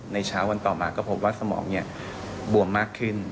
เช้าวันต่อมาก็พบว่าสมองบวมมากขึ้น